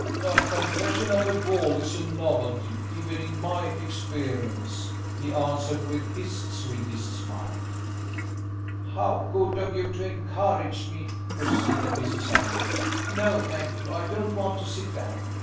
"A confession at a ball is a novelty, even in my experience," he answered with his sweetest smile. "How good of you to encourage me!" proceeded Mrs. Eyrecourt. "No, thank you, I don't want to sit down.